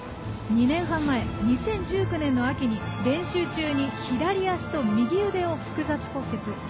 ２年半前、２０１９年の秋に練習中に左足と右腕を複雑骨折。